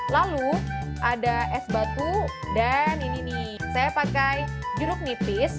lalu ada es batu dan ini nih saya pakai jeruk nipis